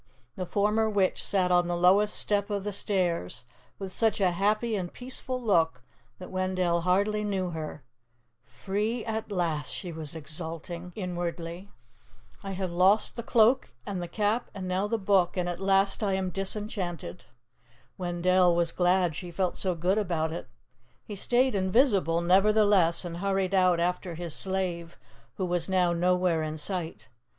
The former witch sat on the lowest step of the stairs, with such a happy and peaceful look that Wendell hardly knew her. "Free at last!" she was exulting [Illustration: "I AM THE SLAVE OF THE CHARM," REPLIED THE STRANGER] inwardly. "I have lost the Cloak and the Cap and now the Book, and at last I am disenchanted." Wendell was glad she felt so good about it. He stayed invisible, never the less, and hurried out after his slave, who was now nowhere in sight.